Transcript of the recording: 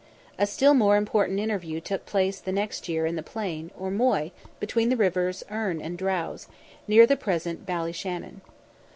A still more important interview took place the next year in the plain, or Moy, between the rivers Erne and Drowse, near the present Ballyshannon.